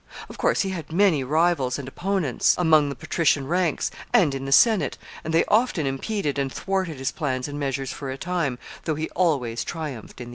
Of course, he had many rivals and opponents among the patrician ranks, and in the Senate, and they often impeded and thwarted his plans and measures for a time, though he always triumphed in the end.